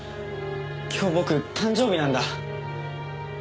今日僕誕生日なんだ。